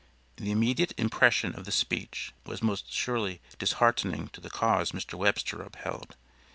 The immediate impression of the speech was most surely disheartening to the cause Mr. Webster upheld.